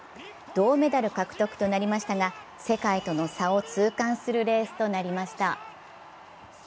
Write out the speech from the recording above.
銅メダル獲得となりましたが、世界との差を痛感するレースとなりました。